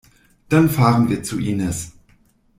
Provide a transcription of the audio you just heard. Dann fahren wir zu Inis.